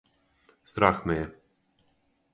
Страх ме је.